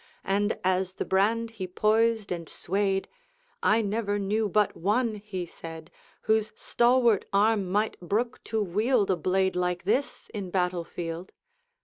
And as the brand he poised and swayed, 'I never knew but one,' he said, 'Whose stalwart arm might brook to wield A blade like this in battle field.'